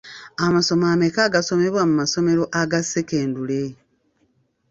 Amasomo ameka agasomesebwa mu masomero aga sekendule?